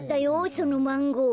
そのマンゴー。